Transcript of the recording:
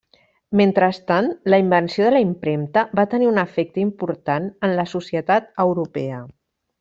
Mentrestant, la invenció de la impremta va tenir un efecte important en la societat europea.